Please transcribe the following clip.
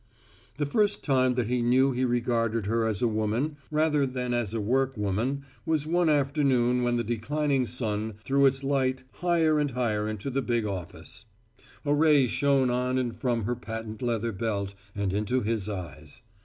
The first time that he knew he regarded her as a woman rather than as a workwoman was one afternoon when the declining sun threw its light higher and higher into the big office. A ray shone on and from her patent leather belt and into his eyes.